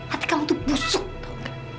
hati kamu tuh busuk tau gak